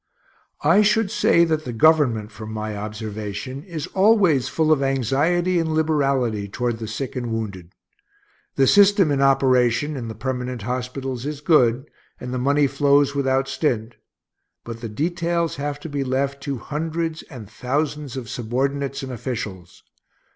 I should say that the Government, from my observation, is always full of anxiety and liberality toward the sick and wounded. The system in operation in the permanent hospitals is good, and the money flows without stint. But the details have to be left to hundreds and thousands of subordinates and officials.